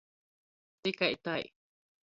Tikai tai!